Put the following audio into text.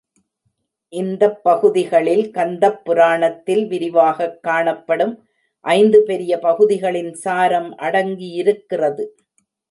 இந்தப் பகுதிகளில் கந்தப்புராணத்தில் விரிவாகக் காணப்படும் ஐந்து பெரிய பகுதிகளின் சாரம் அடங்கியிருக்கிறது.